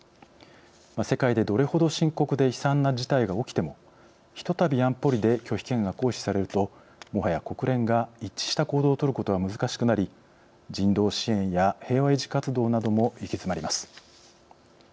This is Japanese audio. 世界でどれほど深刻で悲惨な事態が起きてもひとたび安保理で拒否権が行使されるともはや国連が一致した行動を取ることは難しくなり人道支援や平和維持活動なども行き詰まります。